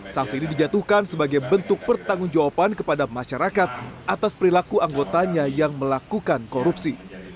sangsi ini dijatuhkan sebagai bentuk pertanggungjawaban kepada masyarakat atas perilaku anggotanya yang melakukan korupsi